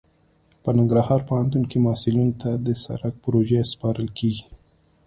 په ننګرهار پوهنتون کې محصلینو ته د سرک پروژې سپارل کیږي